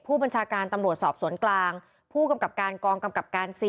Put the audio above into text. ผู้บัญชาการตำรวจสอบสวนกลางผู้กำกับการกองกำกับการ๔